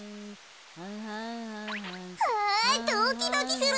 あドキドキする！